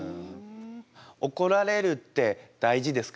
怒られるって大事ですか？